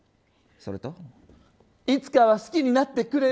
いつかは好きになってくれる。